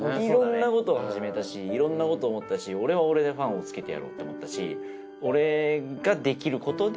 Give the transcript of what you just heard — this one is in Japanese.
いろんなことを始めたしいろんなことを思ったし俺は俺でファンをつけてやろうって思ったし。